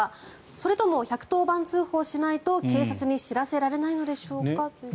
それとも１１０番通報しないと警察に知らせられないのでしょうかということです。